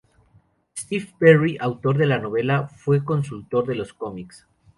Steve Perry, autor de la novela, fue consultor de los cómics.